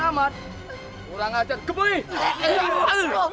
lupa kau selama ini nyarut dari pohon keramat